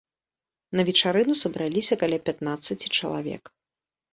На вечарыну сабраліся каля пятнаццаці чалавек.